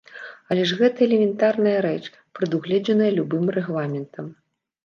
Але ж гэта элементарная рэч, прадугледжаная любым рэгламентам.